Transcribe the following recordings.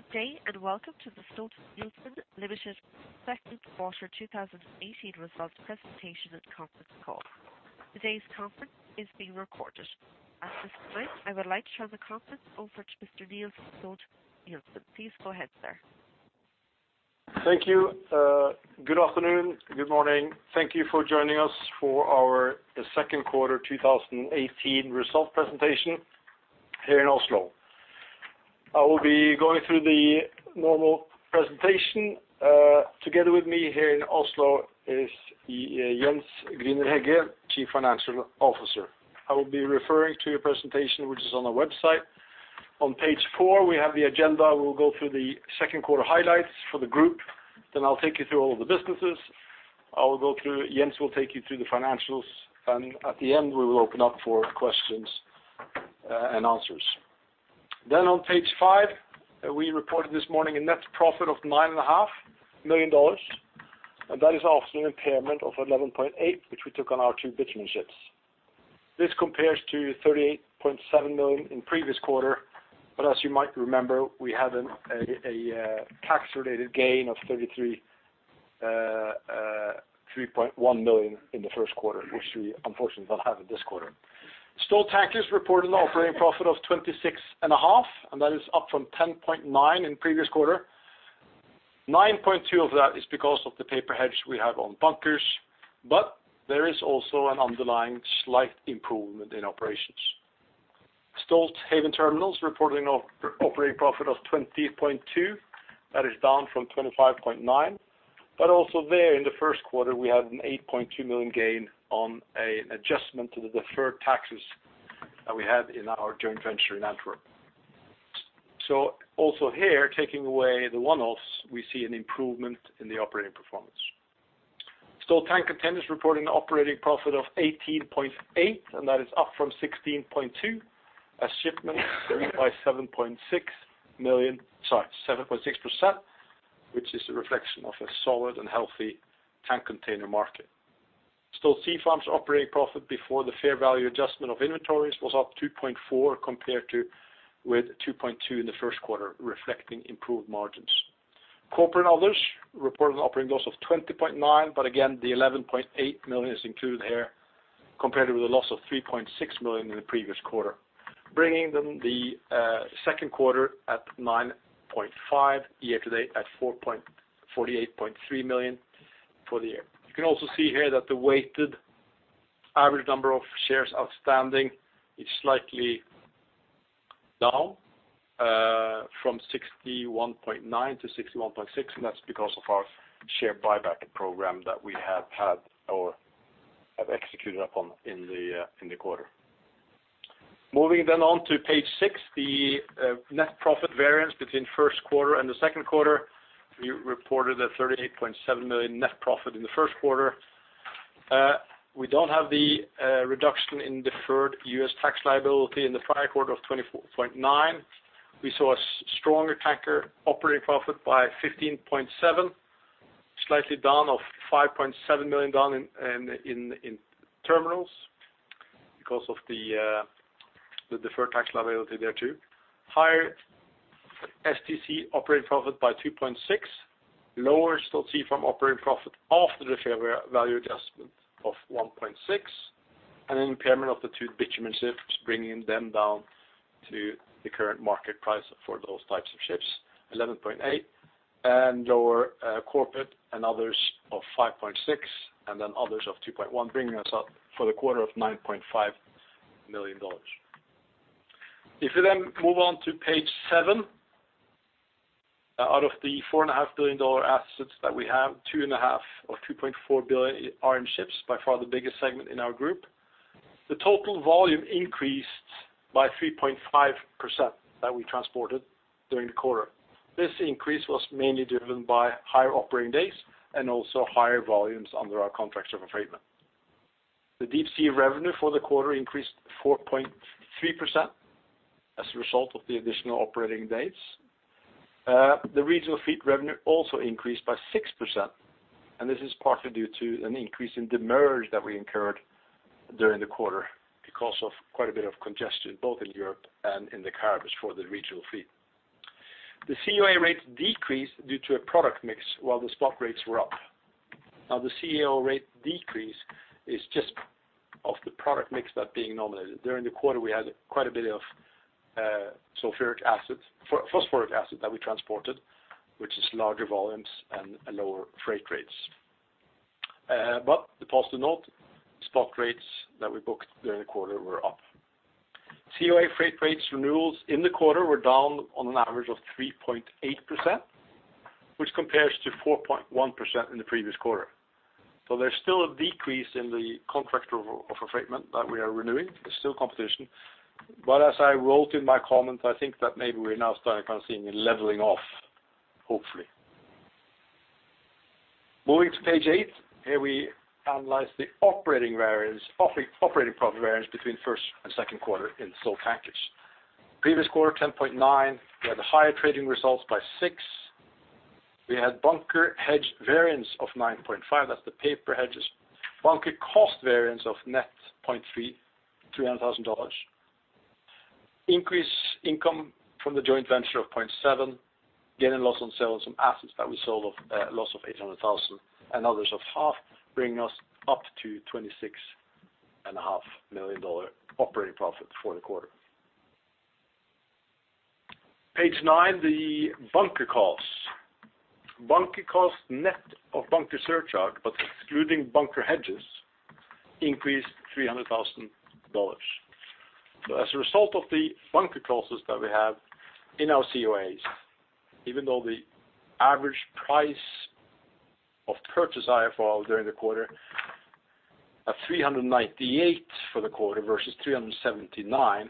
Good day, and welcome to the Stolt-Nielsen Limited second quarter 2018 results presentation and conference call. Today's conference is being recorded. At this time, I would like to turn the conference over to Mr. Niels G. Stolt-Nielsen. Please go ahead, sir. Thank you. Good afternoon. Good morning. Thank you for joining us for our second quarter 2018 result presentation here in Oslo. I will be going through the normal presentation. Together with me here in Oslo is Jens Grüner-Hegge, Chief Financial Officer. I will be referring to a presentation which is on our website. On page four, we have the agenda. We will go through the second quarter highlights for the group. I'll take you through all of the businesses. Jens will take you through the financials. At the end, we will open up for questions and answers. On page five, we reported this morning a net profit of $9.5 million, and that is after an impairment of $11.8, which we took on our two bitumen ships. This compares to $38.7 million in previous quarter. As you might remember, we had a tax related gain of $33.1 million in the first quarter, which we unfortunately don't have in this quarter. Stolt Tankers reported an operating profit of $26.5, and that is up from $10.9 in previous quarter. $9.2 of that is because of the paper hedge we have on bunkers, but there is also an underlying slight improvement in operations. Stolthaven Terminals reporting operating profit of $20.2. That is down from $25.9, but also there in the first quarter, we had an $8.2 million gain on an adjustment to the deferred taxes that we had in our joint venture in Antwerp. Also here, taking away the one-offs, we see an improvement in the operating performance. Stolt Tank Containers is reporting an operating profit of $18.8. That is up from $16.2 as shipments grew by 7.6%, which is a reflection of a solid and healthy tank container market. Stolt Sea Farm's operating profit before the fair value adjustment of inventories was up $2.4 compared to with $2.2 in the first quarter, reflecting improved margins. Corporate and others reported an operating loss of $20.9. Again, the $11.8 million is included here compared with a loss of $3.6 million in the previous quarter, bringing them the second quarter at $9.5, year to date at $48.3 million for the year. You can also see here that the weighted average number of shares outstanding is slightly down from 61.9 to 61.6, and that's because of our share buyback program that we have had or have executed upon in the quarter. Moving on to page 6, the net profit variance between first quarter and the second quarter. We reported a $38.7 million net profit in the first quarter. We don't have the reduction in deferred U.S. tax liability in the prior quarter of $24.9 million. We saw a stronger tanker operating profit by $15.7 million, slightly down of $5.7 million down in terminals because of the deferred tax liability there too. Higher STC operating profit by $2.6 million. Lower Stolt Sea Farm operating profit after the fair value adjustment of $1.6 million, and an impairment of the two bitumen ships, bringing them down to the current market price for those types of ships, $11.8 million. Lower corporate and others of $5.6 million, others of $2.1 million, bringing us up for the quarter of $9.5 million. Moving on to page 7, out of the $4.5 billion assets that we have, $2.5 billion or $2.4 billion are in ships, by far the biggest segment in our group. The total volume increased by 3.5% that we transported during the quarter. This increase was mainly driven by higher operating days and also higher volumes under our contracts of affreightment. The deep sea revenue for the quarter increased 4.3% as a result of the additional operating dates. The regional fleet revenue also increased by 6%. This is partly due to an increase in demurrage that we incurred during the quarter because of quite a bit of congestion, both in Europe and in the Caribbean for the regional fleet. The COA rates decreased due to a product mix while the spot rates were up. Now the COA rate decrease is just of the product mix that being nominated. During the quarter, we had quite a bit of phosphoric acid that we transported, which is larger volumes and lower freight rates. The positive note, spot rates that we booked during the quarter were up. COA freight rates renewals in the quarter were down on an average of 3.8%, which compares to 4.1% in the previous quarter. There's still a decrease in the contract of affreightment that we are renewing. There's still competition. As I wrote in my comments, I think that maybe we are now starting kind of seeing a leveling off, hopefully. Moving to page 8. Here we analyze the operating profit variance between first and second quarter in Stolt Tankers. Previous quarter, $10.9 million. We had the higher trading results by $6 million. We had bunker hedge variance of $9.5 million. That's the paper hedges. Bunker cost variance of net $300,000. Increase income from the joint venture of $0.7 million. Gain and loss on sale of some assets that we sold of a loss of $800,000, others of half, bringing us up to $26.5 million operating profit for the quarter. Page 9, the bunker costs. Bunker costs net of bunker surcharge, but excluding bunker hedges, increased $300,000. As a result of the bunker clauses that we have in our COAs, even though the average price of purchase IFO during the quarter at $398 for the quarter versus $379,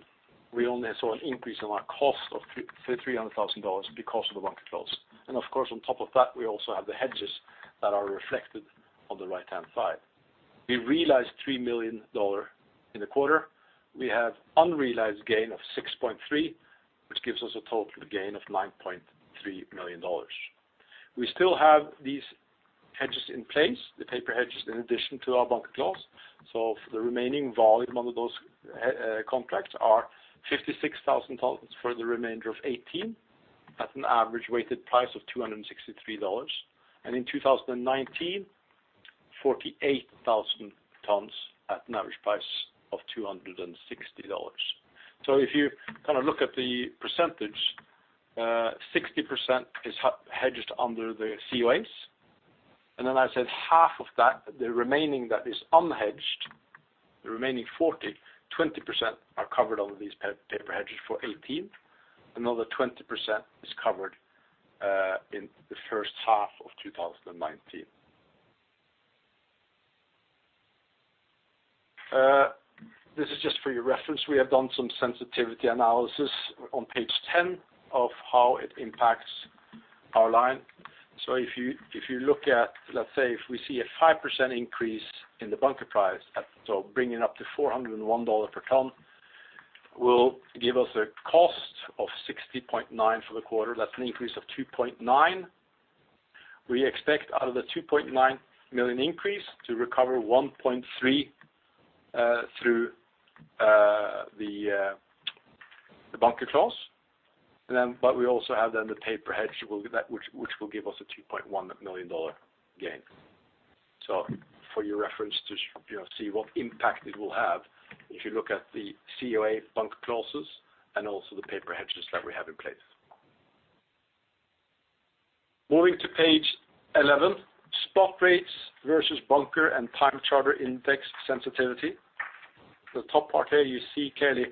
we only saw an increase in our cost of $300,000 because of the bunker clause. Of course, on top of that, we also have the hedges that are reflected on the right-hand side. We realized $3 million in the quarter. We have unrealized gain of $6.3 million, which gives us a total gain of $9.3 million. We still have these hedges in place, the paper hedges, in addition to our bunker clause. For the remaining volume under those contracts are 56,000 tons for the remainder of 2018 at an average weighted price of $263. In 2019, 48,000 tons at an average price of $260. If you look at the percentage, 60% is hedged under the COAs. Then I said half of that, the remaining that is unhedged, the remaining 40, 20% are covered under these paper hedges for 2018. Another 20% is covered in the first half of 2019. This is just for your reference. We have done some sensitivity analysis on page 10 of how it impacts our line. If you look at, let's say, if we see a 5% increase in the bunker price, bringing up to $401 per ton, will give us a cost of $60.9 for the quarter. That's an increase of $2.9. We expect out of the $2.9 million increase to recover $1.3 through the bunker clause. We also have then the paper hedge, which will give us a $2.1 million gain. For your reference to see what impact it will have if you look at the COA bunker clauses and also the paper hedges that we have in place. Moving to page 11, spot rates versus bunker and time charter index sensitivity. The top part here, you see clearly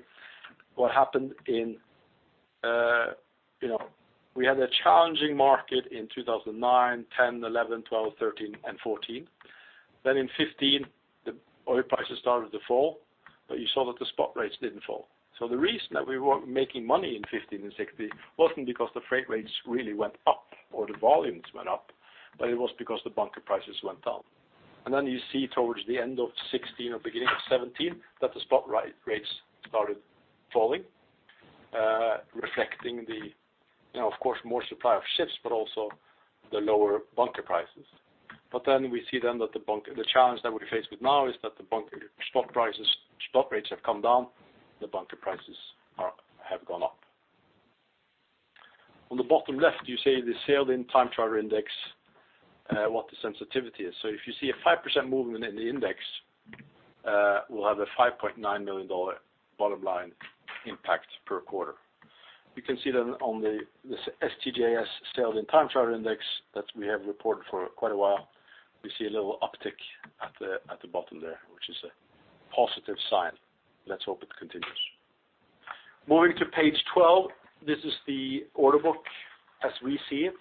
We had a challenging market in 2009, 2010, 2011, 2012, 2013, and 2014. In 2015, the oil prices started to fall, you saw that the spot rates didn't fall. The reason that we were making money in 2015 and 2016 wasn't because the freight rates really went up or the volumes went up, it was because the bunker prices went down. You see towards the end of 2016 or beginning of 2017, that the spot rates started falling reflecting the, of course, more supply of ships, but also the lower bunker prices. We see then that the challenge that we're faced with now is that the spot rates have come down, the bunker prices have gone up. On the bottom left, you see the sailed-in time charter index, what the sensitivity is. If you see a 5% movement in the index, we'll have a $5.9 million bottom line impact per quarter. You can see then on the STJS sailed-in time charter index that we have reported for quite a while. We see a little uptick at the bottom there, which is a positive sign. Let's hope it continues. Moving to page 12. This is the order book as we see it.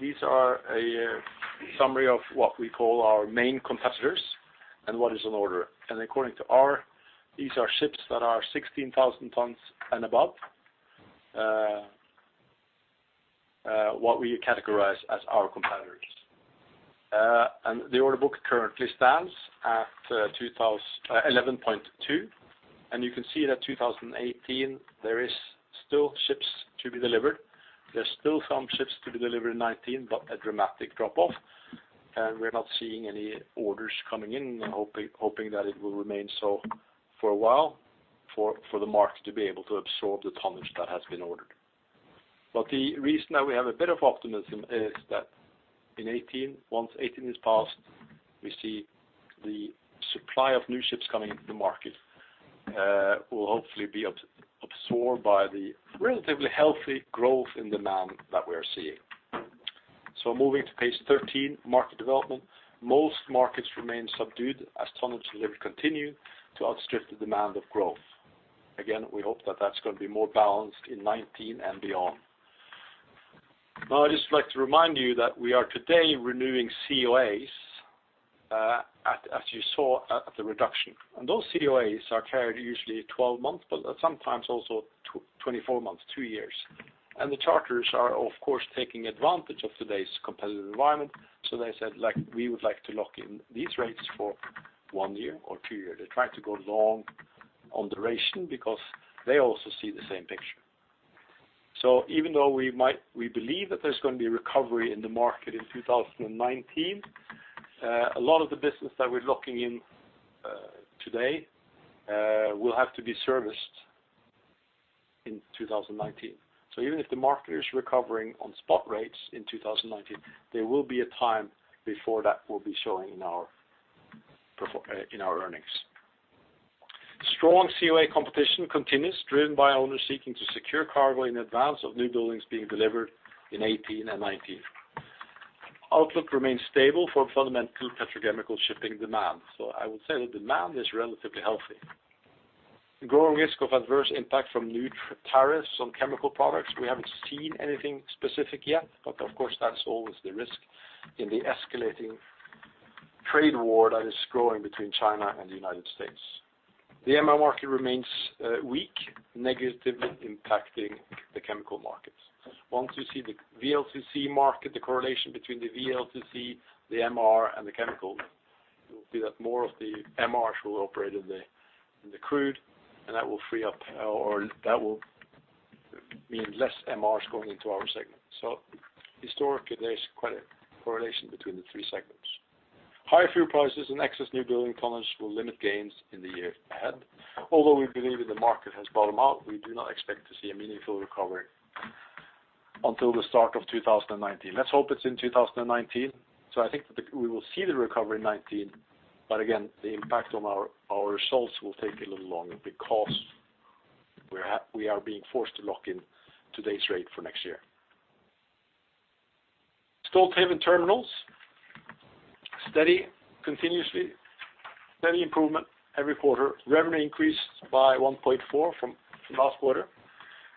These are a summary of what we call our main competitors and what is an order. According to our, these are ships that are 16,000 tons and above, what we categorize as our competitors. The order book currently stands at 11.2%. You can see that 2018, there is still ships to be delivered. There's still some ships to be delivered in 2019, but a dramatic drop-off. We are not seeing any orders coming in and hoping that it will remain so for a while for the market to be able to absorb the tonnage that has been ordered. The reason that we have a bit of optimism is that in 2018, once 2018 is passed, we see the supply of new ships coming into the market will hopefully be absorbed by the relatively healthy growth in demand that we are seeing. Moving to page 13, market development. Most markets remain subdued as tonnage delivery continue to outstrip the demand of growth. Again, we hope that that's going to be more balanced in 2019 and beyond. I'd just like to remind you that we are today renewing COAs, as you saw at the reduction. Those COAs are carried usually 12 months, but sometimes also 24 months, two years. The charters are, of course, taking advantage of today's competitive environment. They said, "We would like to lock in these rates for one year or two year. They try to go long on duration because they also see the same picture. Even though we believe that there's going to be recovery in the market in 2019, a lot of the business that we're locking in today will have to be serviced in 2019. Even if the market is recovering on spot rates in 2019, there will be a time before that will be showing in our earnings. Strong COA competition continues, driven by owners seeking to secure cargo in advance of newbuildings being delivered in 2018 and 2019. Outlook remains stable for fundamental petrochemical shipping demand. I would say the demand is relatively healthy. The growing risk of adverse impact from new tariffs on chemical products, we haven't seen anything specific yet, but of course, that's always the risk in the escalating trade war that is growing between China and the United States. The MR market remains weak, negatively impacting the chemical markets. Once you see the VLCC market, the correlation between the VLCC, the MR, and the chemical, you will see that more of the MRs will operate in the crude. That will mean less MRs going into our segment. Historically, there is quite a correlation between the three segments. Higher fuel prices and excess newbuilding tonnage will limit gains in the year ahead. Although we believe that the market has bottomed out, we do not expect to see a meaningful recovery until the start of 2019. Let's hope it's in 2019. I think that we will see the recovery in 2019, but again, the impact on our results will take a little longer because we are being forced to lock in today's rate for next year. Stolthaven Terminals, steady continuously. Steady improvement every quarter. Revenue increased by $1.4 from last quarter.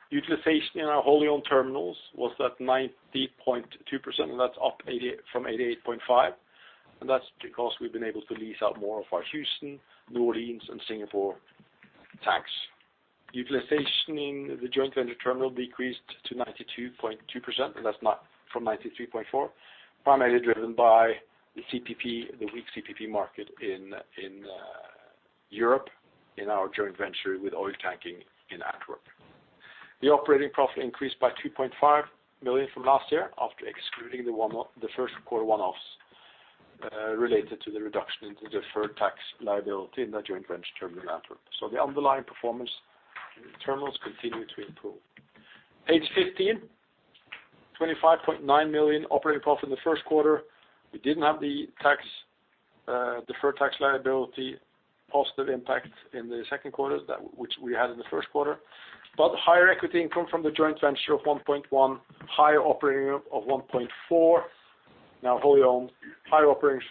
Utilization in our wholly owned terminals was at 90.2%, and that's up from 88.5%. That's because we've been able to lease out more of our Houston, New Orleans, and Singapore tanks. Utilization in the joint venture terminal decreased to 92.2%, and that's from 93.4%, primarily driven by the weak CPP market in Europe in our joint venture with Oiltanking in Antwerp. The operating profit increased by $2.5 million from last year after excluding the first quarter one-offs related to the reduction in deferred tax liability in the joint venture terminal in Antwerp. The underlying performance in the terminals continue to improve. Page 15, $25.9 million operating profit in the first quarter. We didn't have the deferred tax liability positive impact in the second quarter, which we had in the first quarter, but higher equity income from the joint venture of $1.1 million, higher operating of $1.4 million in our wholly owned. Higher operating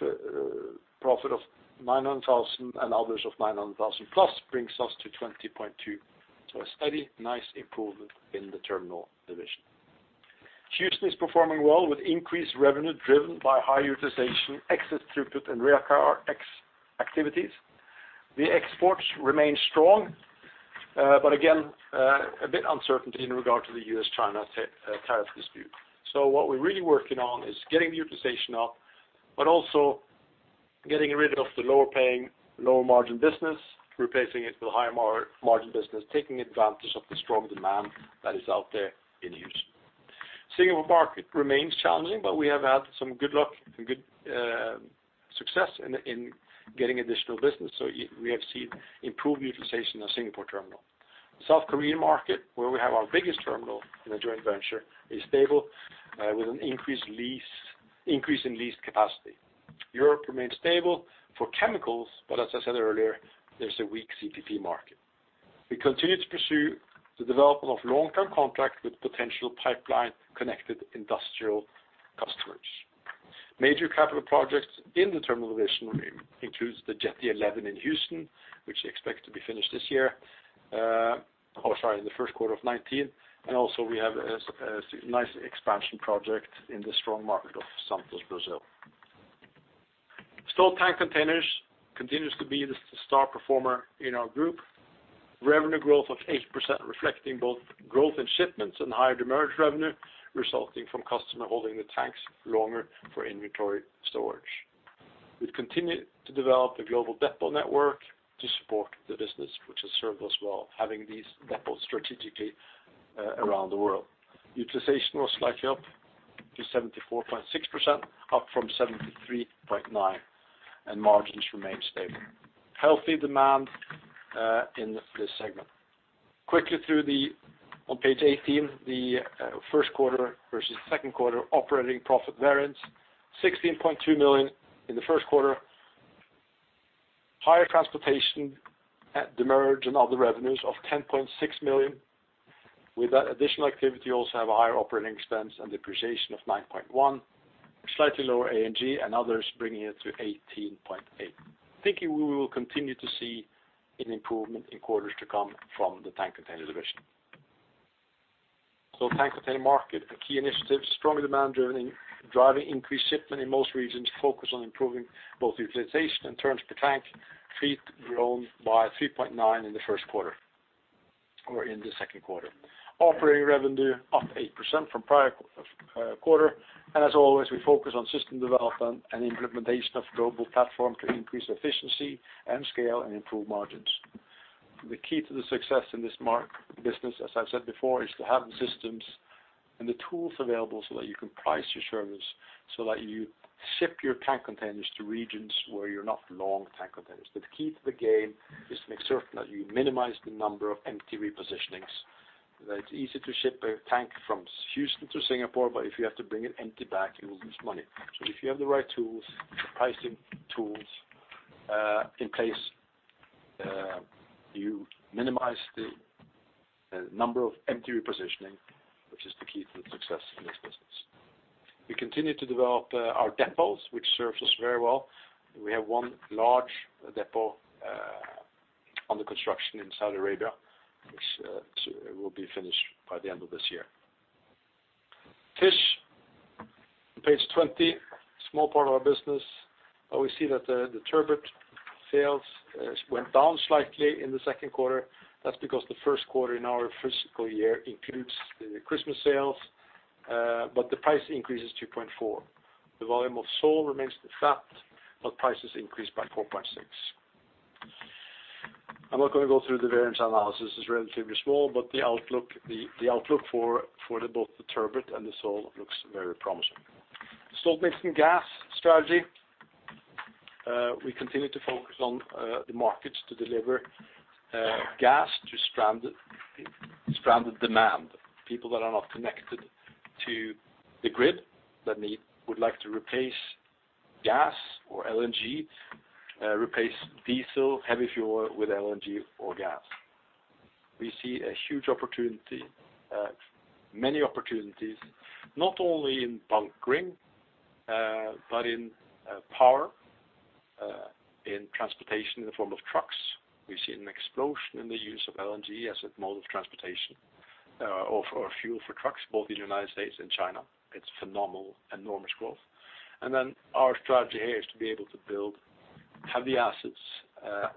profit of $900,000 and others of $900,000 plus brings us to $20.2 million. A steady, nice improvement in the terminal division. Houston is performing well with increased revenue driven by high utilization, excess throughput, and railcar activities. The exports remain strong, but again a bit uncertainty in regard to the U.S.-China tariff dispute. What we're really working on is getting the utilization up, but also getting rid of the lower paying, lower margin business, replacing it with higher margin business, taking advantage of the strong demand that is out there in Houston. Singapore market remains challenging, but we have had some good luck and good success in getting additional business. We have seen improved utilization of Singapore terminal. South Korean market, where we have our biggest terminal in a joint venture, is stable with an increase in leased capacity. Europe remains stable for chemicals, but as I said earlier, there's a weak CPP market. We continue to pursue the development of long-term contracts with potential pipeline-connected industrial customers. Major capital projects in the terminal division includes the Jetty 11 in Houston, which is expected to be finished this year. Oh, sorry, in the first quarter of 2019. Also, we have a nice expansion project in the strong market of Santos, Brazil. Stolt Tank Containers continues to be the star performer in our group. Revenue growth of 8%, reflecting both growth in shipments and higher demurrage revenue resulting from customer holding the tanks longer for inventory storage. We continue to develop the global depot network to support the business, which has served us well, having these depots strategically around the world. Utilization was slightly up to 74.6%, up from 73.9%, and margins remain stable. Healthy demand in this segment. Quickly through on page 18, the first quarter versus second quarter operating profit variance. $16.2 million in the first quarter. Higher transportation, demurrage, and other revenues of $10.6 million. With that additional activity, also have a higher operating expense and depreciation of $9.1 million, slightly lower A&G and others bringing it to $18.8 million. Thinking we will continue to see an improvement in quarters to come from the Tank Container division. Tank container market, the key initiatives, strong demand driving increased shipment in most regions, focus on improving both utilization and turns per tank, fleet grown by 3.9% in the first quarter or in the second quarter. Operating revenue up 8% from prior quarter. As always, we focus on system development and implementation of global platform to increase efficiency and scale and improve margins. The key to the success in this business, as I've said before, is to have the systems and the tools available so that you can price your service, so that you ship your Tank Containers to regions where you're not long Tank Containers. The key to the game is to make certain that you minimize the number of empty repositionings. It's easy to ship a tank from Houston to Singapore, but if you have to bring it empty back, you will lose money. If you have the right pricing tools in place you minimize the number of empty repositioning, which is the key to the success in this business. We continue to develop our depots, which serves us very well. We have one large depot under construction in Saudi Arabia, which will be finished by the end of this year. Fish, page 20. Small part of our business. We see that the turbot sales went down slightly in the second quarter. That's because the first quarter in our fiscal year includes the Christmas sales. The price increase is 2.4%. The volume of sole remains flat, prices increased by 4.6%. I'm not going to go through the variance analysis, it is relatively small, the outlook for both the turbot and the sole looks very promising. Stolt-Nielsen Gas strategy. We continue to focus on the markets to deliver gas to stranded demand. People that are not connected to the grid that would like to replace gas or LNG, replace diesel, heavy fuel with LNG or gas. We see a huge opportunity, many opportunities, not only in bunkering, but in power, in transportation in the form of trucks. We see an explosion in the use of LNG as a mode of transportation or for fuel for trucks, both in the U.S. and China. It's phenomenal, enormous growth. Our strategy here is to be able to have the assets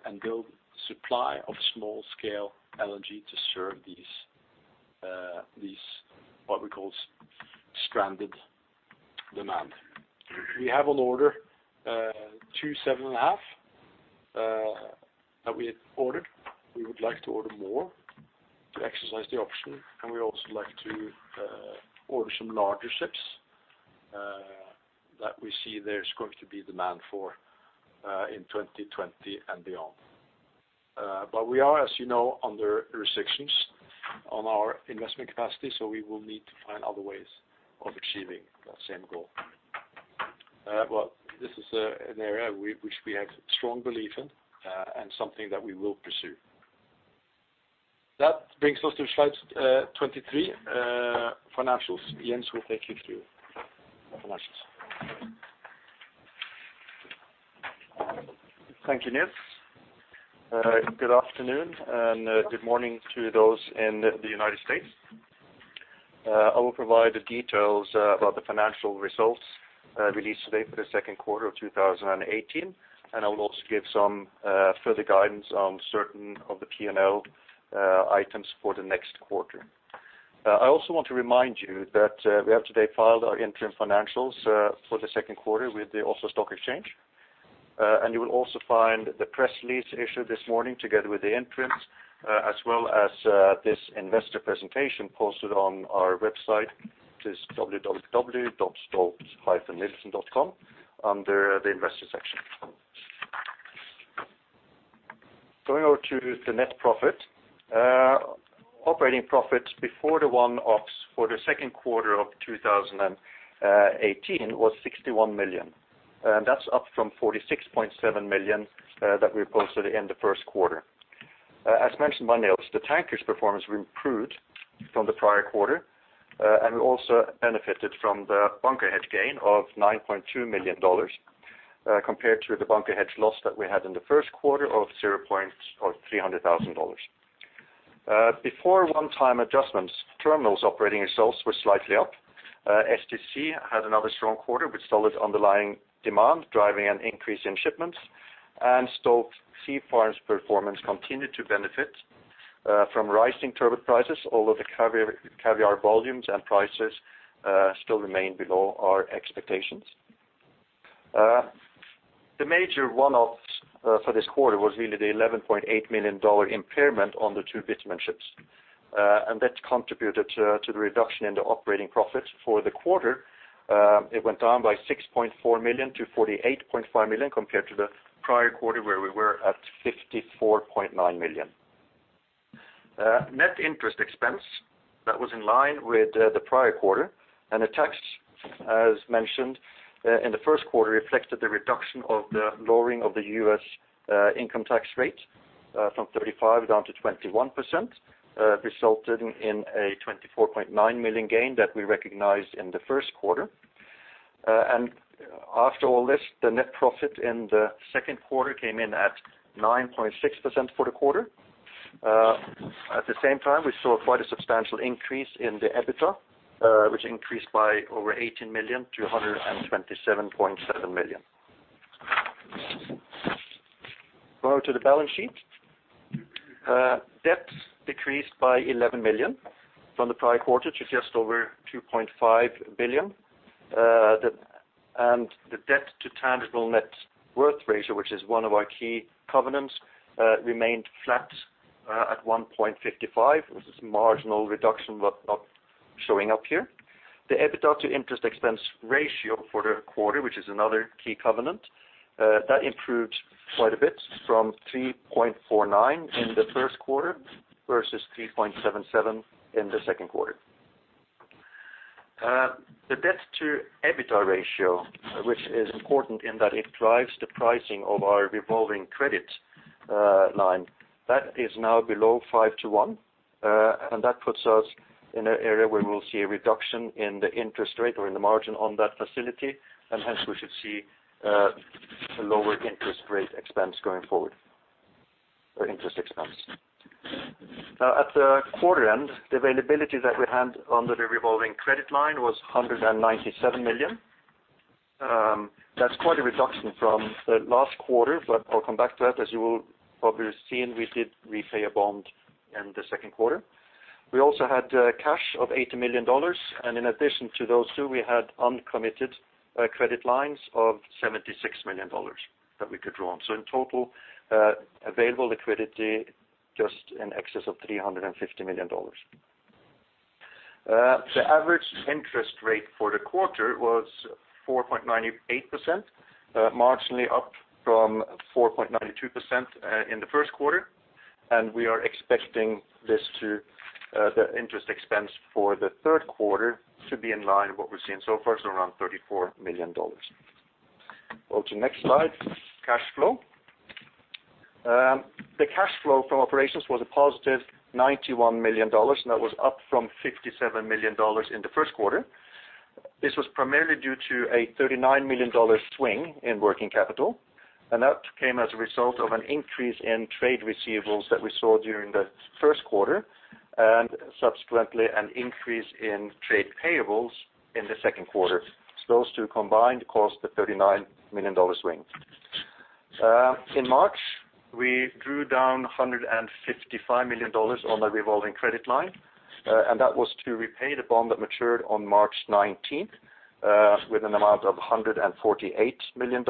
and build supply of small scale LNG to serve these what we call stranded demand. We have on order two 7.5 that we had ordered. We would like to order more to exercise the option, we also like to order some larger ships that we see there's going to be demand for in 2020 and beyond. We are, as you know, under restrictions on our investment capacity, we will need to find other ways of achieving that same goal. This is an area which we have strong belief in and something that we will pursue. That brings us to slide 23, financials. Jens will take you through financials. Thank you, Niels. Good afternoon, and good morning to those in the U.S. I will provide the details about the financial results released today for the second quarter of 2018, I will also give some further guidance on certain of the P&L items for the next quarter. I also want to remind you that we have today filed our interim financials for the second quarter with the Oslo Stock Exchange. You will also find the press release issued this morning together with the interims, as well as this investor presentation posted on our website, which is www.stolt-nielsen.com under the investor section. Going over to the net profit. Operating profit before the one-offs for the second quarter of 2018 was $61 million. That's up from $46.7 million that we posted in the first quarter. As mentioned by Niels, the tanker's performance improved from the prior quarter, we also benefited from the bunker hedge gain of $9.2 million, compared to the bunker hedge loss that we had in the first quarter of $300,000. Before one-time adjustments, terminals operating results were slightly up. STC had another strong quarter with solid underlying demand driving an increase in shipments. Stolt Sea Farm's performance continued to benefit from rising turbot prices, although the caviar volumes and prices still remain below our expectations. The major one-off for this quarter was really the $11.8 million impairment on the two bitumen ships. That contributed to the reduction in the operating profit for the quarter. It went down by $6.4 million to $48.5 million compared to the prior quarter where we were at $54.9 million. Net interest expense, that was in line with the prior quarter. The tax, as mentioned in the first quarter, reflected the reduction of the lowering of the U.S. income tax rate from 35% down to 21%, resulting in a $24.9 million gain that we recognized in the first quarter. After all this, the net profit in the second quarter came in at 9.6% for the quarter. At the same time, we saw quite a substantial increase in the EBITDA which increased by over $18 million to $127.7 million. Go to the balance sheet. Debt decreased by $11 million from the prior quarter to just over $2.5 billion. The debt to tangible net worth ratio, which is one of our key covenants, remained flat at 1.55, which is a marginal reduction, but not showing up here. The EBITDA to interest expense ratio for the quarter, which is another key covenant, that improved quite a bit from 3.49 in the first quarter versus 3.77 in the second quarter. The debt to EBITDA ratio, which is important in that it drives the pricing of our revolving credit line, that is now below 5 to 1, that puts us in an area where we will see a reduction in the interest rate or in the margin on that facility, and hence we should see a lower interest rate expense going forward. Or interest expense. Now at the quarter end, the availability that we had under the revolving credit line was $197 million. That is quite a reduction from the last quarter, but I will come back to that. As you will probably have seen, we did repay a bond in the second quarter. We also had cash of $80 million, in addition to those two, we had uncommitted credit lines of $76 million that we could draw on. In total, available liquidity, just in excess of $350 million. The average interest rate for the quarter was 4.98%, marginally up from 4.92% in the first quarter. We are expecting the interest expense for the third quarter to be in line with what we have seen so far, so around $34 million. Go to next slide. Cash flow. The cash flow from operations was a positive $91 million, that was up from $57 million in the first quarter. This was primarily due to a $39 million swing in working capital, that came as a result of an increase in trade receivables that we saw during the first quarter, subsequently an increase in trade payables in the second quarter. Those two combined cost the $39 million swing. In March, we drew down $155 million on the revolving credit line, that was to repay the bond that matured on March 19th, with an amount of $148 million.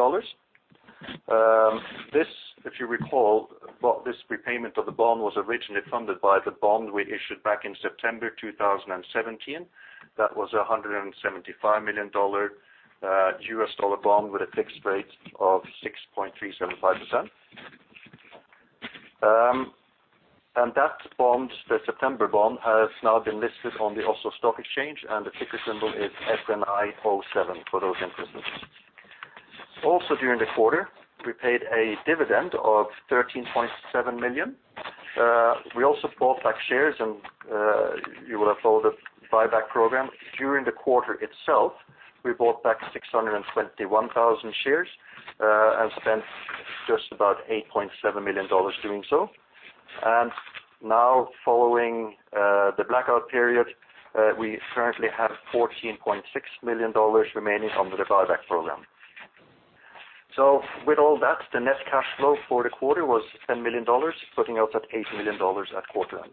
If you recall, this repayment of the bond was originally funded by the bond we issued back in September 2017. That was $175 million USD bond with a fixed rate of 6.375%. That bond, the September bond, has now been listed on the Oslo Stock Exchange, and the ticker symbol is SNI07, for those interested. Also during the quarter, we paid a dividend of $13.7 million. We also bought back shares, you will have followed the buyback program. During the quarter itself, we bought back 621,000 shares, spent just about $8.7 million doing so. Now following the blackout period, we currently have $14.6 million remaining under the buyback program. With all that, the net cash flow for the quarter was $10 million, putting us at $80 million at quarter end.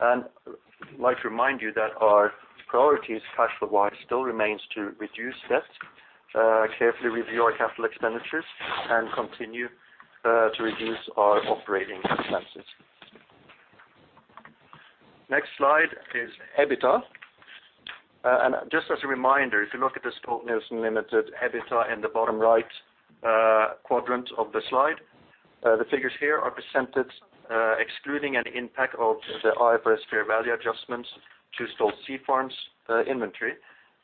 I'd like to remind you that our priorities cash flow-wise still remains to reduce debt, carefully review our capital expenditures, continue to reduce our operating expenses. Next slide is EBITDA. Just as a reminder, if you look at the Stolt-Nielsen Ltd EBITDA in the bottom right quadrant of the slide, the figures here are presented excluding any impact of the IFRS fair value adjustments to Stolt Sea Farm's inventory,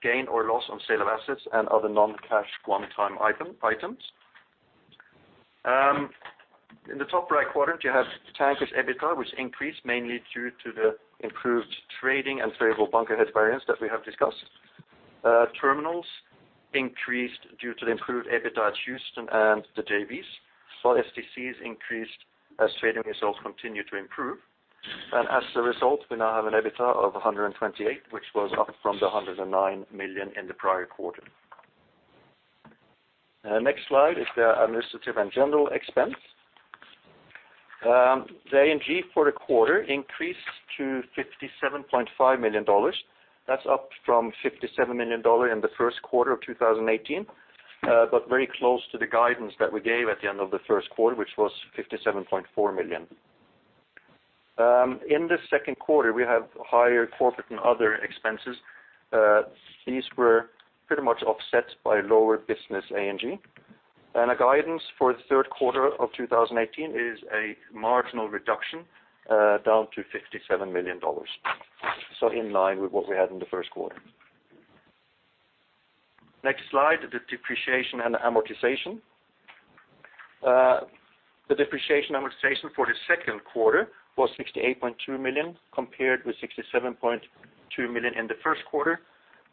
gain or loss on sale of assets, other non-cash one-time items. In the top right quadrant, you have Tankers EBITDA, which increased mainly due to the improved trading and favorable bunker hedge variance that we have discussed. Terminals increased due to the improved EBITDA at Houston and the JVs, while STCs increased as trading results continue to improve. As a result, we now have an EBITDA of $128 million, which was up from the $109 million in the prior quarter. Next slide is the administrative and general expense. The A&G for the quarter increased to $57.5 million. That's up from $57 million in the first quarter of 2018, very close to the guidance that we gave at the end of the first quarter, which was $57.4 million. In the second quarter, we have higher corporate and other expenses. These were pretty much offset by lower business A&G. Our guidance for the third quarter of 2018 is a marginal reduction down to $57 million. In line with what we had in the first quarter. Next slide, the depreciation and amortization. The depreciation amortization for the second quarter was $68.2 million, compared with $67.2 million in the first quarter,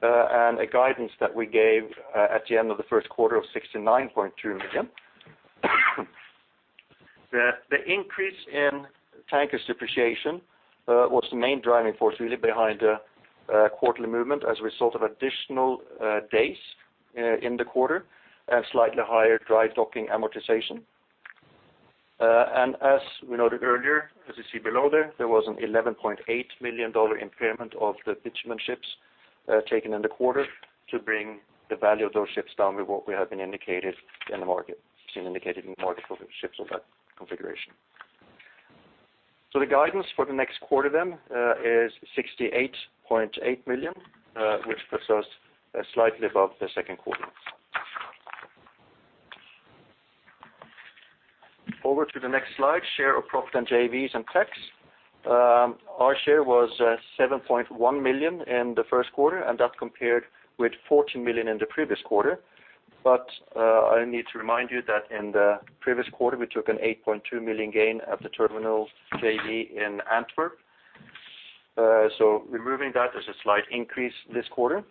a guidance that we gave at the end of the first quarter of $69.2 million. The increase in Tanker depreciation was the main driving force really behind the quarterly movement as a result of additional days in the quarter and slightly higher dry docking amortization. As we noted earlier, as you see below there was an $11.8 million impairment of the bitumen ships taken in the quarter to bring the value of those ships down with what we have been indicated in the market, seen indicated in the market for ships of that configuration. The guidance for the next quarter, then, is $68.8 million, which puts us slightly above the second quarter. Over to the next slide, share of profit and JVs and tax. Our share was $7.1 million in the first quarter, that compared with $14 million in the previous quarter. I need to remind you that in the previous quarter, we took an $8.2 million gain at the terminal JV in Antwerp. Removing that, there's a slight increase this quarter.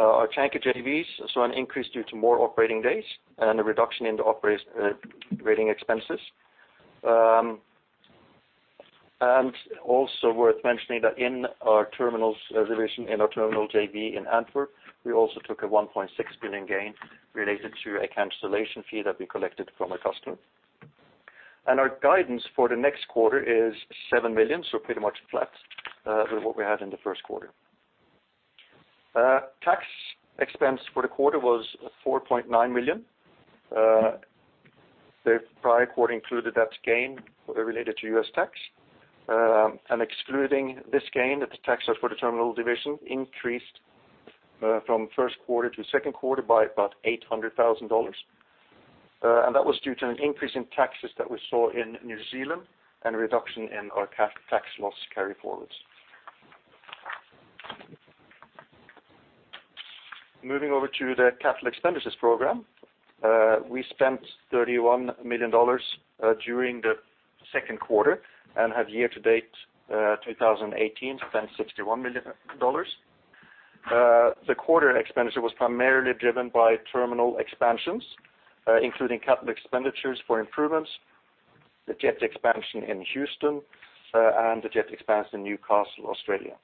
Our tanker JVs saw an increase due to more operating days and a reduction in the operating expenses. Also worth mentioning that in our terminals division, in our terminal JV in Antwerp, we also took a $1.6 million gain related to a cancellation fee that we collected from a customer. Our guidance for the next quarter is $7 million, so pretty much flat with what we had in the first quarter. Tax expense for the quarter was $4.9 million. The prior quarter included that gain related to U.S. tax. Excluding this gain, the taxes for the terminal division increased from first quarter to second quarter by about $800,000. That was due to an increase in taxes that we saw in New Zealand and a reduction in our tax loss carry-forwards. Moving over to the capital expenditures program. We spent $31 million during the second quarter and have year to date 2018 spent $61 million. The quarter expenditure was primarily driven by terminal expansions, including capital expenditures for improvements, the jetty expansion in Houston, and the jetty expansion in Newcastle, Australia.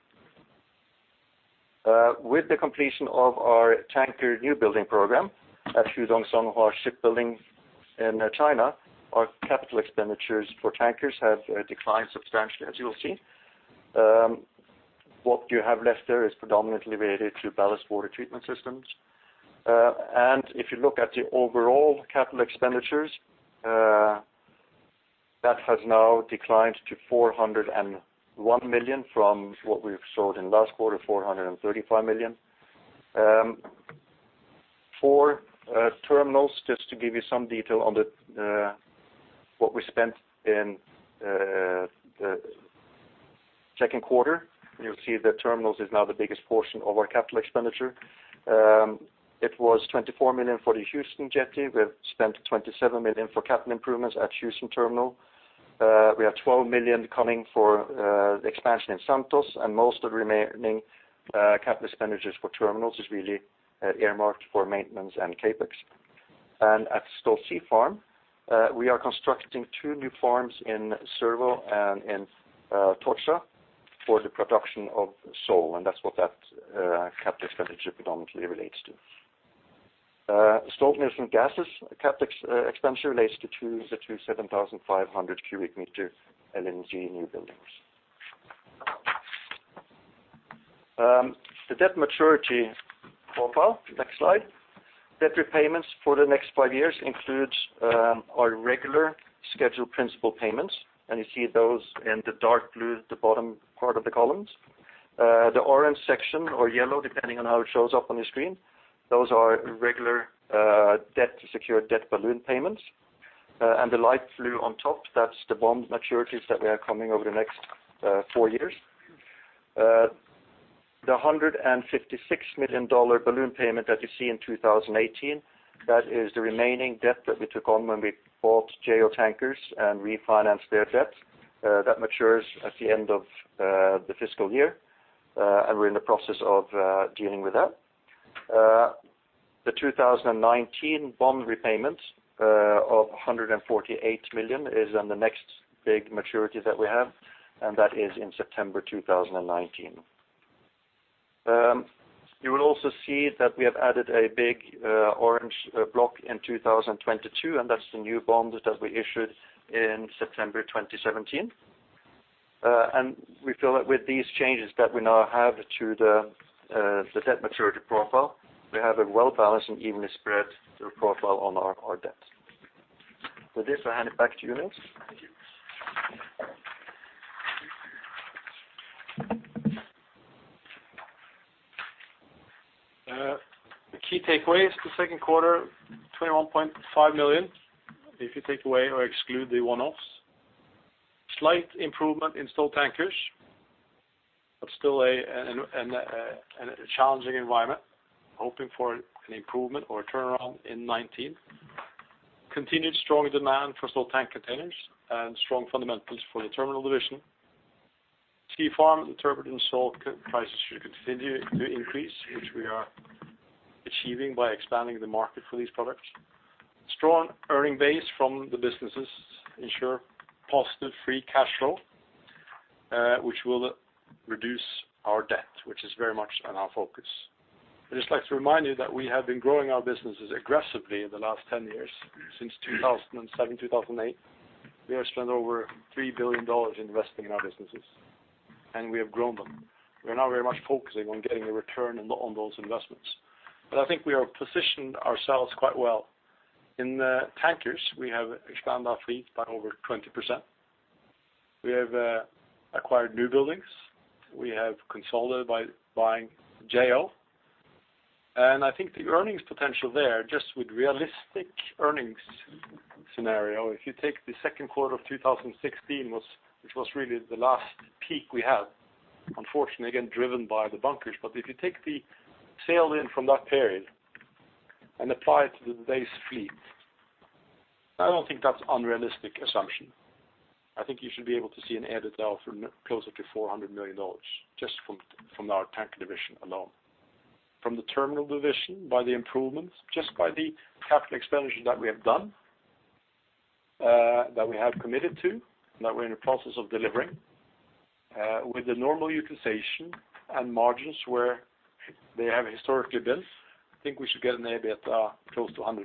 With the completion of our tanker new building program at Hudong-Zhonghua Shipbuilding in China, our capital expenditures for tankers have declined substantially, as you will see. What you have left there is predominantly related to ballast water treatment systems. If you look at the overall capital expenditures, that has now declined to $401 million from what we saw in last quarter, $435 million. For terminals, just to give you some detail on what we spent in the second quarter, you'll see that terminals is now the biggest portion of our capital expenditure. It was $24 million for the Houston jetty. We have spent $27 million for capital improvements at Houston Terminal. We have $12 million coming for the expansion in Santos, and most of the remaining capital expenditures for terminals is really earmarked for maintenance and CapEx. At Stolt Sea Farm, we are constructing two new farms in Cervo and in Tocha for the production of sole, and that's what that capital expenditure predominantly relates to. Stolt-Nielsen Gas capital expenditure relates to the two 7,500 cubic meter LNG new buildings. The debt maturity profile, next slide. Debt repayments for the next five years includes our regular scheduled principal payments, and you see those in the dark blue at the bottom part of the columns. The orange section or yellow, depending on how it shows up on your screen, those are regular secured debt balloon payments. The light blue on top, that's the bond maturities that are coming over the next four years. The $156 million balloon payment that you see in 2018, that is the remaining debt that we took on when we bought Jo Tankers and refinanced their debt. That matures at the end of the fiscal year, and we are in the process of dealing with that. The 2019 bond repayment of $148 million is then the next big maturity that we have, and that is in September 2019. You will also see that we have added a big orange block in 2022, that's the new bonds that we issued in September 2017. We feel that with these changes that we now have to the debt maturity profile, we have a well-balanced and evenly spread profile on our debt. With this, I hand it back to you, Niels. Thank you. The key takeaways. The second quarter, $21.5 million, if you take away or exclude the one-offs. Slight improvement in Stolt Tankers, still in a challenging environment. Hoping for an improvement or a turnaround in 2019. Continued strong demand for Stolt Tank Containers and strong fundamentals for the Terminal division. Stolt Sea Farm [interpreting Stolt prices] should continue to increase, which we are achieving by expanding the market for these products. Strong earning base from the businesses ensure positive free cash flow, which will reduce our debt, which is very much on our focus. I'd just like to remind you that we have been growing our businesses aggressively in the last 10 years. Since 2007, 2008, we have spent over $3 billion investing in our businesses. We have grown them. We are now very much focusing on getting a return on those investments. I think we have positioned ourselves quite well. In the Tankers, we have expanded our fleet by over 20%. We have acquired new buildings. We have consolidated by buying Jo. I think the earnings potential there, just with realistic earnings scenario, if you take the second quarter of 2016, which was really the last peak we had, unfortunately, again, driven by the bunkers, if you take the sailed-in from that period and apply it to today's fleet, I don't think that's unrealistic assumption. I think you should be able to see an EBITDA closer to $400 million just from our Tanker division alone. From the Terminal division, by the improvements, just by the capital expenditure that we have done, that we have committed to, and that we are in the process of delivering, with the normal utilization and margins where they have historically been, I think we should get maybe at close to $150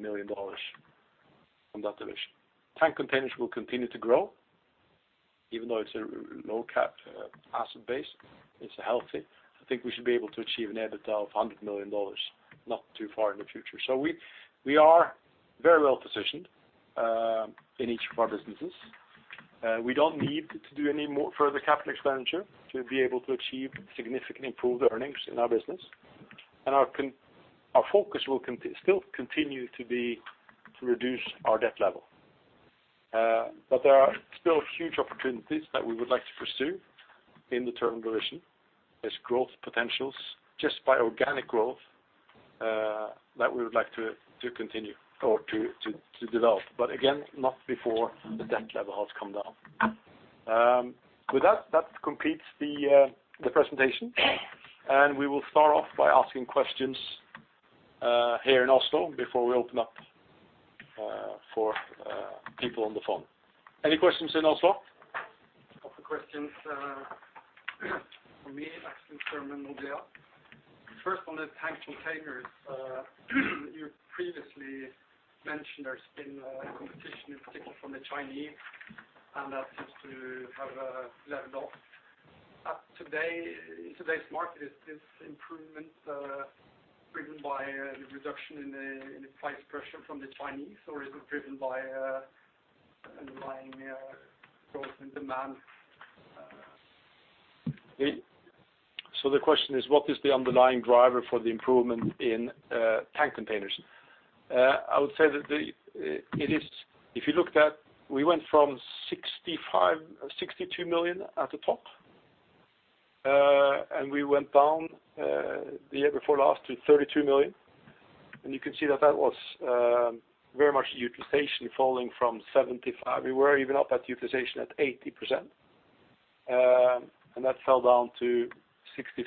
million from that division. Tank Containers will continue to grow, even though it's a low CapEx asset base. It's healthy. I think we should be able to achieve an EBITDA of $100 million not too far in the future. We are very well positioned in each of our businesses. We don't need to do any more further capital expenditure to be able to achieve significant improved earnings in our business. Our focus will still continue to be to reduce our debt level. There are still huge opportunities that we would like to pursue in the terminal division. There's growth potentials just by organic growth, that we would like to continue or to develop. Again, not before the debt level has come down. With that completes the presentation. We will start off by asking questions here in Oslo before we open up for people on the phone. Any questions in Oslo? Couple questions. For me, [Aksel Engebakken], Nordea. First, on the tank containers. You previously mentioned there's been competition in particular from the Chinese, and that seems to have leveled off. In today's market, is this improvement driven by the reduction in the price pressure from the Chinese, or is it driven by underlying growth in demand? The question is, what is the underlying driver for the improvement in tank containers? I would say that if you looked at, we went from $62 million at the top, we went down, the year before last to $32 million, and you can see that that was very much utilization falling from 75%. We were even up at utilization at 80%, and that fell down to 65%.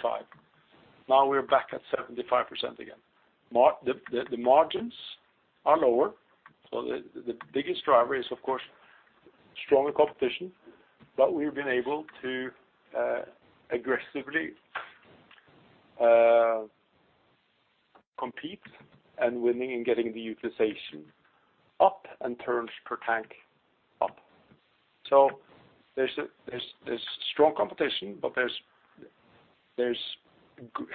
Now we are back at 75% again. The margins are lower, the biggest driver is, of course, stronger competition, we've been able to aggressively compete and winning and getting the utilization up and turns per tank up. There's strong competition, there's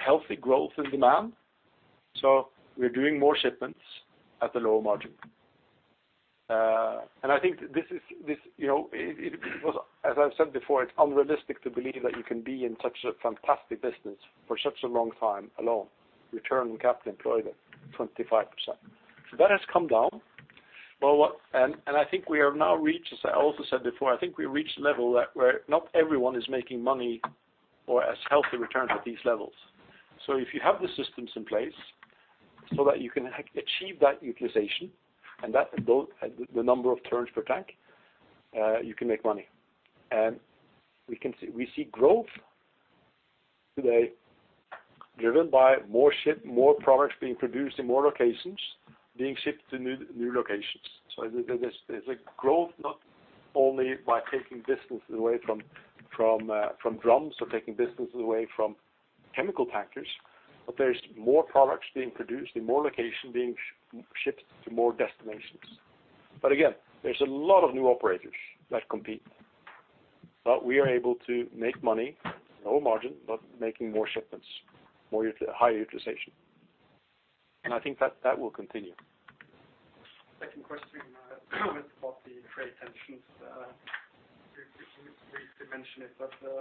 healthy growth in demand. We are doing more shipments at a lower margin. I think as I've said before, it's unrealistic to believe that you can be in such a fantastic business for such a long time alone. Return on capital employed at 25%. That has come down, and I think we have now reached, as I also said before, I think we reached a level where not everyone is making money or has healthy returns at these levels. If you have the systems in place so that you can achieve that utilization and the number of turns per tank, you can make money. We see growth today driven by more products being produced in more locations, being shipped to new locations. There's a growth not only by taking distances away from drums or taking distances away from chemical tankers, there's more products being produced in more locations being shipped to more destinations. Again, there's a lot of new operators that compete. We are able to make money, lower margin, but making more shipments, higher utilization. I think that will continue. Second question, about the trade tensions. You briefly mentioned it, have you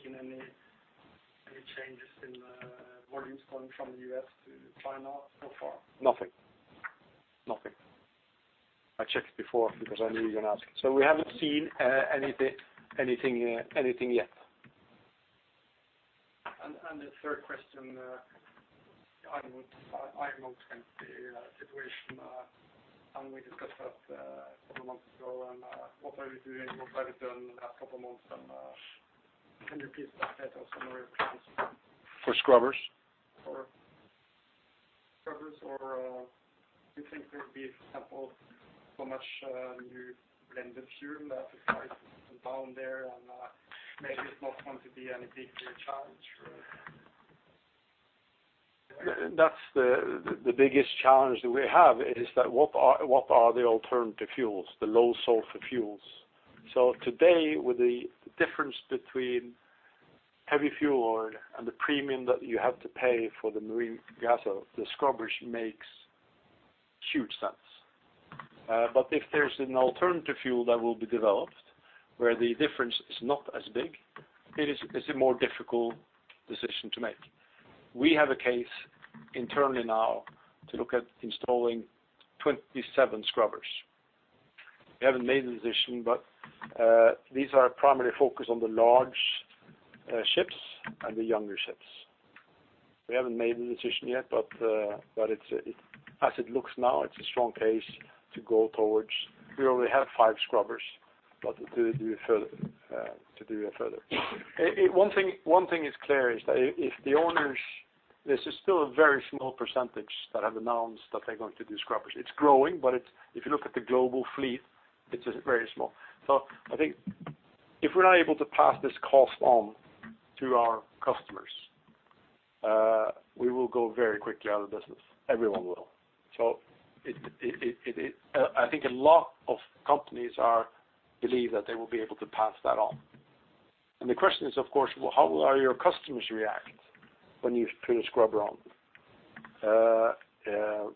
seen any changes in volumes going from the U.S. to China so far? Nothing. I checked before because I knew you were going to ask. We haven't seen anything yet. The third question, IMO 2020 situation, we discussed that a couple months ago, what are you doing? What have you done the last couple of months? Can you please update us on your plans? For scrubbers? For scrubbers or do you think there will be, for example, so much new blended fuel that the price is down there and maybe it's not going to be any big challenge for you? That's the biggest challenge that we have, is that what are the alternative fuels, the low sulfur fuels? Today, with the difference between heavy fuel oil and the premium that you have to pay for the marine gas oil, the scrubbers makes huge sense. If there's an alternative fuel that will be developed where the difference is not as big, it is a more difficult decision to make. We have a case internally now to look at installing 27 scrubbers. We haven't made the decision, but these are primarily focused on the large ships and the younger ships. We haven't made the decision yet, but as it looks now, it's a strong case to go towards. We already have five scrubbers, but to do it further. One thing is clear, is that if the owners. This is still a very small percentage that have announced that they're going to do scrubbers. It's growing, but if you look at the global fleet, it's very small. I think if we're not able to pass this cost on to our customers, we will go very quickly out of business. Everyone will. I think a lot of companies believe that they will be able to pass that on. The question is of course, how will your customers react when you turn a scrubber on?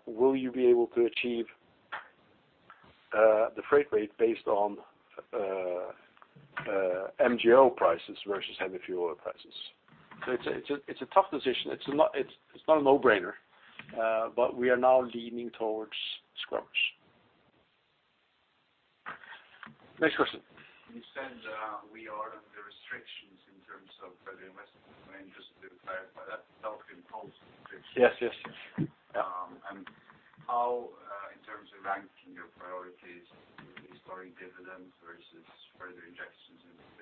Will you be able to achieve the freight rate based on MGO prices versus heavy fuel oil prices? It's a tough decision. It's not a no-brainer. We are now leaning towards scrubbers. Next question. You said we are under restrictions in terms of further investment. Can I just clarify that self-imposed restrictions? Yes. How in terms of ranking your priorities is paying dividends versus further injections into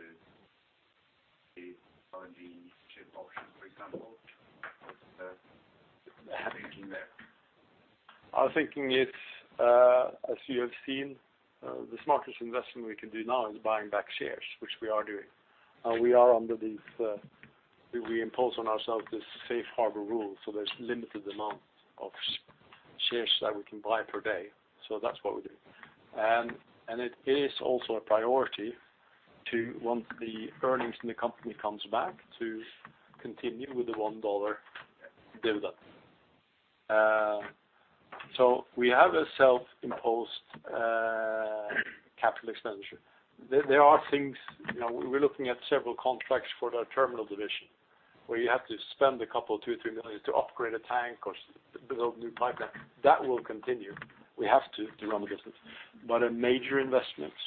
the LNG ship option, for example? What is the thinking there? Our thinking is, as you have seen, the smartest investment we can do now is buying back shares, which we are doing. We impose on ourselves this safe harbor rule, so there's limited amount of shares that we can buy per day. That's what we do. It is also a priority to, once the earnings in the company comes back, to continue with the $1 dividend. We have a self-imposed capital expenditure. There are things, we're looking at several contracts for the terminal division, where you have to spend a couple, $2 million or $3 million to upgrade a tank or build new pipeline. That will continue. We have to run the business. Major investments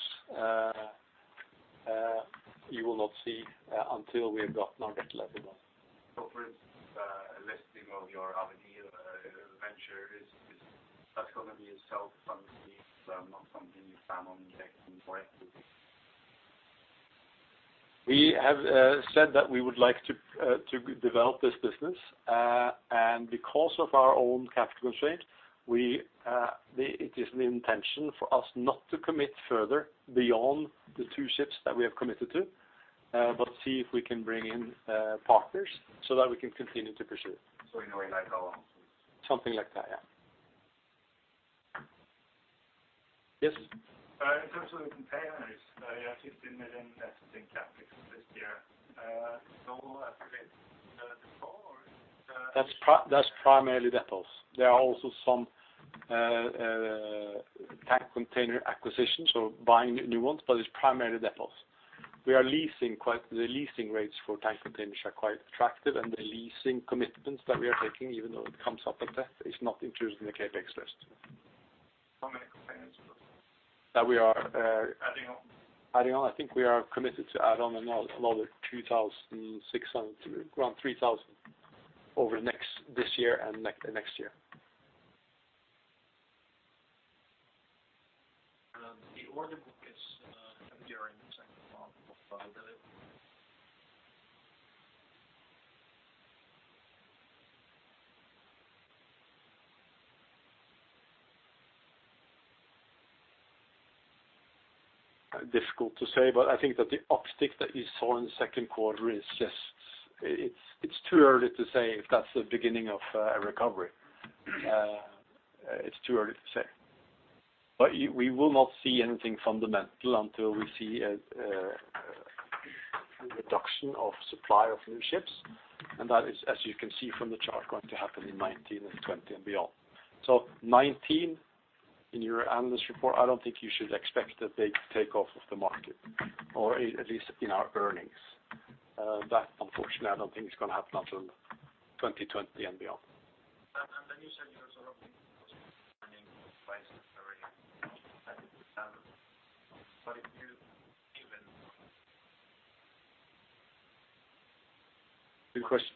you will not see until we have got market level on. For instance, listing of your Avenir LNG, that's going to be a self-funded thing, not something you plan on injecting more equity? We have said that we would like to develop this business. Because of our own capital constraint, it is the intention for us not to commit further beyond the two ships that we have committed to, but see if we can bring in partners so that we can continue to pursue it. In a way like a loan. Something like that, yeah. Yes. In terms of containers, you have $15 million invested in CapEx this year. Is that the floor? That's primarily depots. There are also some tank container acquisitions, so buying new ones, but it's primarily depots. The leasing rates for tank containers are quite attractive, and the leasing commitments that we are taking, even though it comes up at that, is not included in the CapEx list. How many containers roughly? That we are- Adding on adding on, I think we are committed to add on another 2,600 to around 3,000 over this year and next year. The order book is up during the second half of the year. Difficult to say. I think that the uptick that you saw in the second quarter, it's too early to say if that's the beginning of a recovery. It's too early to say. We will not see anything fundamental until we see a reduction of supply of new ships. That is, as you can see from the chart, going to happen in 2019 and 2020 and beyond. 2019, in your analyst report, I don't think you should expect a big take off of the market, or at least in our earnings. That unfortunately, I don't think it's going to happen until 2020 and beyond. The new segment is what, of the Vice president. If you Good question.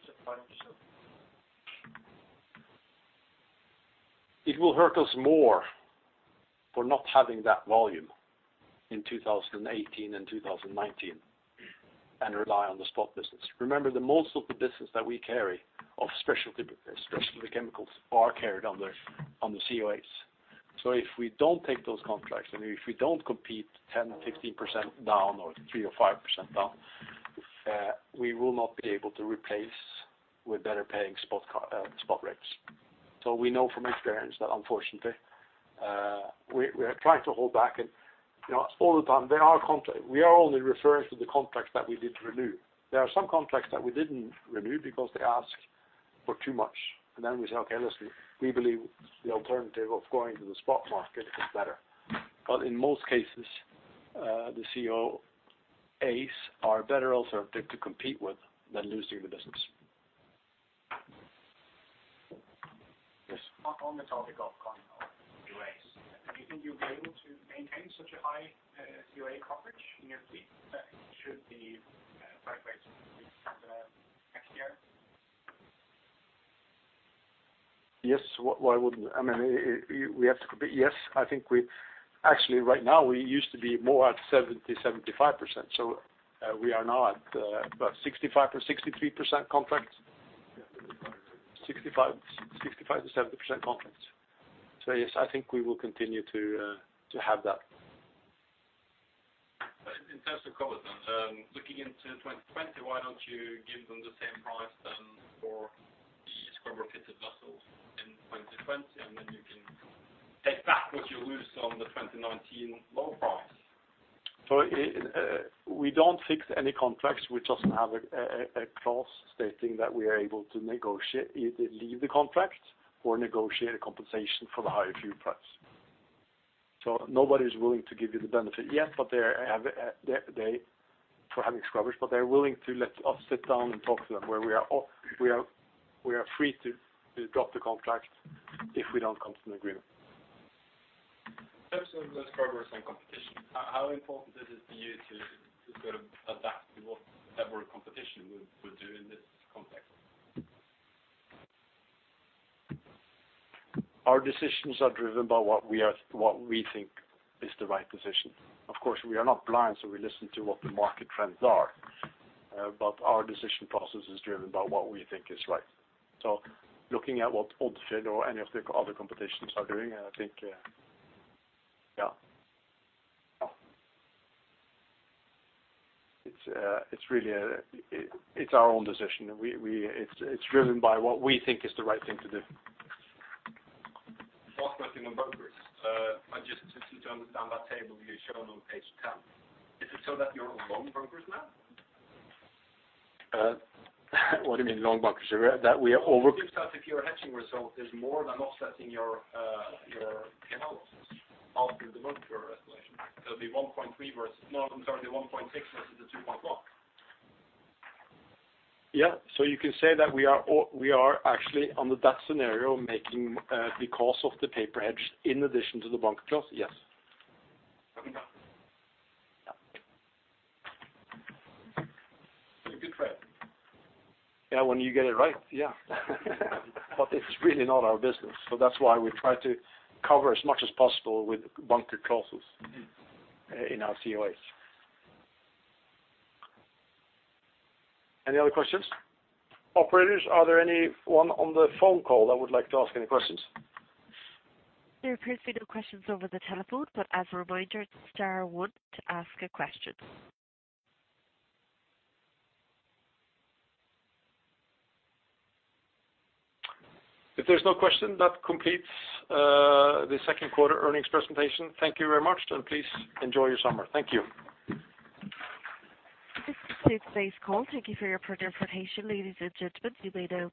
It will hurt us more for not having that volume in 2018 and 2019 and rely on the spot business. Remember that most of the business that we carry of specialty chemicals are carried on the COAs. If we don't take those contracts, and if we don't compete 10%-15% down or 3%-5% down, we will not be able to replace with better paying spot rates. We know from experience that unfortunately, we are trying to hold back and all the time, we are only referring to the contracts that we did renew. There are some contracts that we didn't renew because they asked for too much, and then we say, "Okay, listen, we believe the alternative of going to the spot market is better." In most cases, the COAs are a better alternative to compete with than losing the business. Yes. On the topic of COAs, do you think you will be able to maintain such a high COA coverage in your fleet that it should be quite next year? Yes. Why wouldn't we? We have to compete. Yes, I think actually, right now, we used to be more at 70%-75%. We are now at about 65% or 63% contracts. 75. 65%-70% contracts. Yes, I think we will continue to have that. In terms of coverage, looking into 2020, why don't you give them the same price then for the scrubber fitted vessels in 2020 and then you can take back what you lose on the 2019 low price? We don't fix any contracts which doesn't have a clause stating that we are able to either leave the contract or negotiate a compensation for the higher fuel price. Nobody's willing to give you the benefit yet for having scrubbers, but they're willing to let us sit down and talk to them where we are free to drop the contract if we don't come to an agreement. In terms of the scrubbers and competition, how important is it to you to sort of adapt to whatever competition would do in this context? Our decisions are driven by what we think is the right decision. Of course, we are not blind, we listen to what the market trends are. Our decision process is driven by what we think is right. Looking at what, or any of the other competitions are doing, I think no. It's our own decision, and it's driven by what we think is the right thing to do. Last question on bunkers. Just to understand that table you showed on page 10. Is it so that you are on long bunkers now? What do you mean long bunkers? That we are It looks like if your hedging result is more than offsetting your payouts after the bunker explanation. It will be 1.3 versus the 1.6 versus the 2.1. Yeah. You can say that we are actually under that scenario making the cost of the paper hedge in addition to the bunker clause. Yes. Copy that. Yeah. It's a good trade. Yeah, when you get it right. Yeah. It's really not our business, so that's why we try to cover as much as possible with bunker clauses in our COAs. Any other questions? Operators, are there anyone on the phone call that would like to ask any questions? There appears to be no questions over the telephone. As a reminder, it's star one to ask a question. If there's no question, that completes the second quarter earnings presentation. Thank you very much. Please enjoy your summer. Thank you. This concludes today's call. Thank you for your participation ladies and gentlemen. You may disconnect.